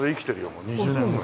もう２０年ぐらい。